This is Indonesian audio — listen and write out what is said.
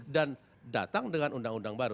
dan datang dengan undang undang baru